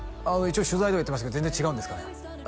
一応取材では言ってましたけど全然違うんですかね？